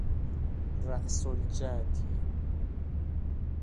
رأس الجدی